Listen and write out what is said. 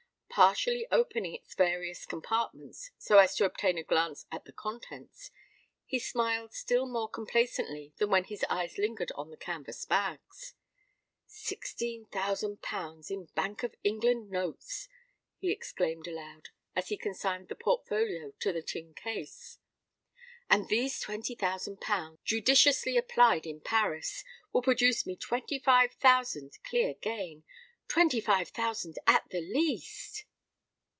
Partially opening its various compartments, so as to obtain a glance at the contents, he smiled still more complacently than when his eyes lingered on the canvass bags. "Sixteen thousand pounds in Bank of England notes," he exclaimed aloud, as he consigned the portfolio to the tin case. "And these twenty thousand pounds, judiciously applied in Paris, will produce me twenty five thousand clear gain—twenty five thousand at the least!"